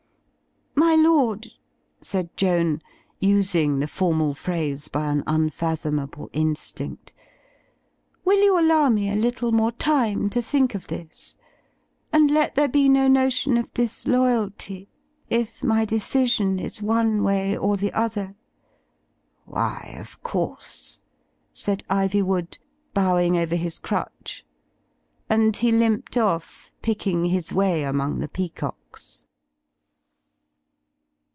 ''My lord," said Joan, using the formal phrase by an unfathomable instinct, "will you allow me a little more time to think of this? And let there be no notion of dislojralty, if my decision is one way or the other?" "Why, of course," said Iv3nvood, bowing over his crutch; and he limped oflF, picking his way among the peacocks.